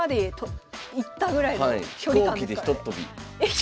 飛行機でひとっ飛び。